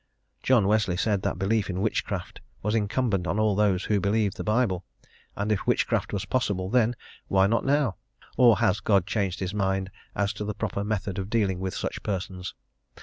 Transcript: John Wesley said that belief in witchcraft was incumbent on all those who believed the Bible, and if witchcraft was possible then, why not now? or has God changed his mind as to the proper method of dealing with such persons?